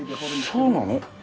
そうなの？